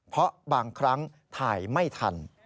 เพราะบางครั้งถ่ายไม่ทัน